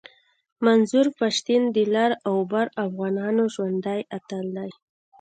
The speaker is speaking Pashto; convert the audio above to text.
منظور پشتین د لر او بر افغانانو ژوندی اتل دی